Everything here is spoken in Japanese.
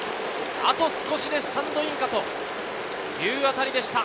あと少しでスタンドインかという当たりでした。